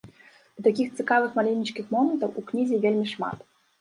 І такіх цікавых маленечкіх момантаў у кнізе вельмі шмат.